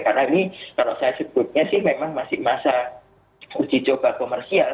karena ini kalau saya sebutnya sih memang masih masa uji coba komersial